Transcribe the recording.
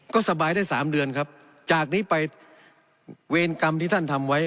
ก็สบายได้๓เดือนครับจากนี้ไปเวรกรรมที่ท่านทำไว้